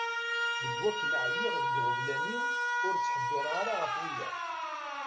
Deg wakken ɛyiɣ deg yiɣeblan-iw, ur ttḥebbireɣ ara ɣef wiyaḍ.